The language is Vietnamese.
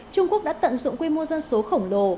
trung quốc đã tận dụng quy mô dân số khổng lồ